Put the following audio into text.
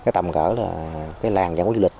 tầm cỡ là cái làng giảng quốc lịch